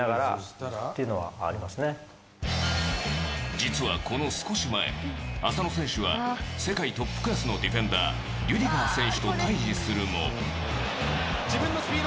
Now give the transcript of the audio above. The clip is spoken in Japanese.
実はこの少し前、浅野選手は世界トップクラスのディフェンダーリュディガー選手と対峙するも。